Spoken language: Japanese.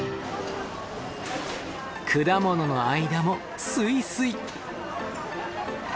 果物の間もスイスイ。